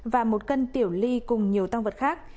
và một cân tiểu ly cùng nhiều tăng vật khác